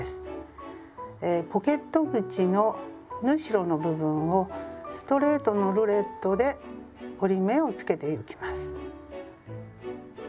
ポケット口の縫い代の部分をストレートのルレットで折り目をつけてゆきます。